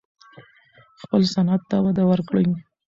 خپل صنعت ته وده ورکړئ.